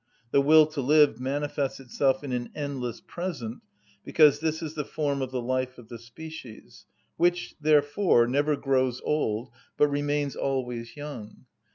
The will to live manifests itself in an endless present, because this is the form of the life of the species, which, therefore, never grows old, but remains always young.